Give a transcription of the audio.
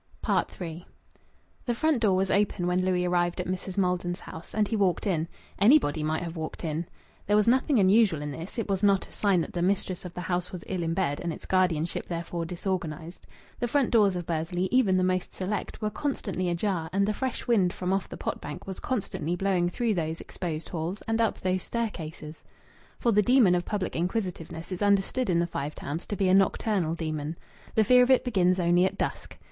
III The front door was open when Louis arrived at Mrs. Maldon's house, and he walked in. Anybody might have walked in. There was nothing unusual in this; it was not a sign that the mistress of the house was ill in bed and its guardianship therefore disorganized. The front doors of Bursley even the most select were constantly ajar and the fresh wind from off the pot bank was constantly blowing through those exposed halls and up those staircases. For the demon of public inquisitiveness is understood in the Five Towns to be a nocturnal demon. The fear of it begins only at dusk.